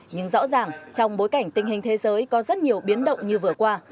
nhưng rõ ràng trong bối cảnh tình hình thế giới có rất nhiều biến động như vừa qua